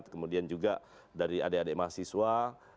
kemudian juga dari adik adik mahasiswa